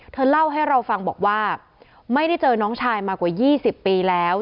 เล่าให้เราฟังบอกว่าไม่ได้เจอน้องชายมากว่า๒๐ปีแล้ว